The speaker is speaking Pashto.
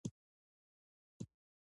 اخرت د حاصل ځای دی